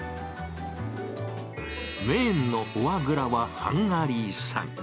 メインのフォアグラはハンガリー産。